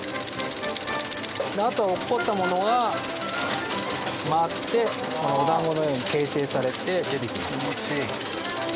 あとは落っこちたものが回っておだんごのように形成されて出てきます。